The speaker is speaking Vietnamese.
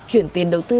chuyển tiền đầu tư